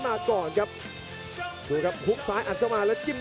โปรดติดตามต่อไป